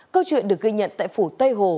câu chuyện được ghi nhận tại phủ tây hồ